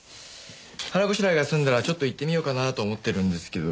腹ごしらえが済んだらちょっと行ってみようかなと思ってるんですけど。